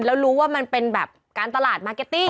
แล้วรู้ว่ามันเป็นแบบการตลาดมาร์เก็ตตี้